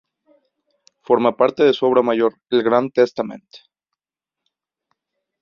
Forma parte de su obra mayor, el "Grand Testament".